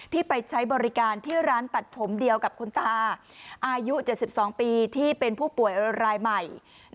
ไปใช้บริการที่ร้านตัดผมเดียวกับคุณตาอายุ๗๒ปีที่เป็นผู้ป่วยรายใหม่